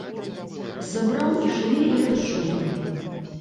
Забраў і жыве, як з жонкай!